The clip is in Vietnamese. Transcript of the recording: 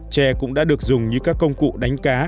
tre cũng đã được dùng như các công cụ đánh cá